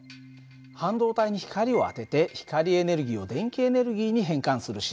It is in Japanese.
半導体に光を当てて光エネルギーを電気エネルギーに変換するシステム。